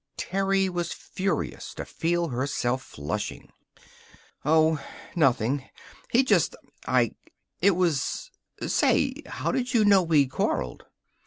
Terry was furious to feel herself flushing. "Oh, nothing. He just I it was Say, how did you know we'd quarreled?"